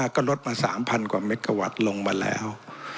ก็ลดมา๓๐๐กว่าเมกะวัตต์ลงมาแล้ว